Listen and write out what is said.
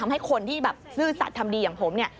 ให้คนที่แบบซื่อสัตว์ทำดีอย่างผมเนี่ย